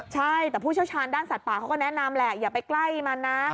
ใช่แต่ผู้เชี่ยวชาญด้านสัตว์ป่าเขาก็แนะนำแหละอย่าไปใกล้มันนะ